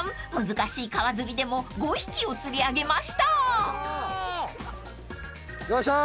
難しい川釣りでも５匹を釣り上げました］よいしょ。